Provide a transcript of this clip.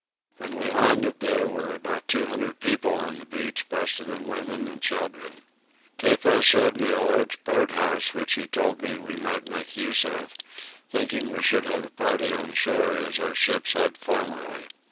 When we landed there were about two hundred people on the beach, most of them women and children. Tepa showed me a large boat house which he told me we might make use of, thinking we should have a party on shore as our ships had formerly.